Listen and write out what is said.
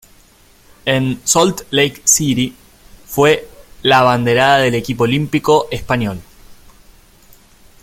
En Salt Lake City fue la abanderada del equipo olímpico español.